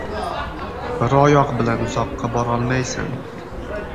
• Bir oyoq bilan uzoqqa borolmaysan.